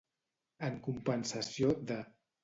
En compensació de.